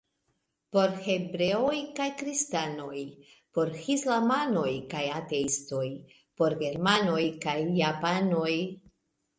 Por hebreoj kaj kristanoj, por islamanoj kaj ateistoj, por germanoj kaj japanoj.